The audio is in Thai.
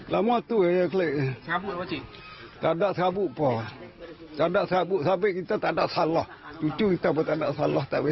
ละม้าตัวอย่างเกล็กสาบุตัวสิตัดสาบุตัวสาบุตัวสาบุตัว